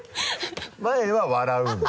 前は笑うんだ。